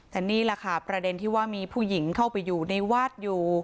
แต่นี่แหละค่ะประเด็นที่ว่ามีผู้หญิงเข้าไปอยู่ในวาดอยู่